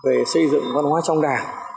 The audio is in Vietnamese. về xây dựng văn hóa trong đảng